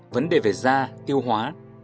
vấn đề về da tiêu hóa